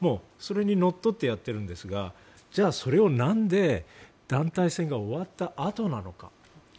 それにのっとってやっているんですがじゃあ、それがなぜ団体戦が終わったあとなのか。